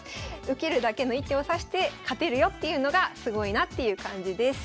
受けるだけの一手を指して勝てるよっていうのがすごいなっていう感じです。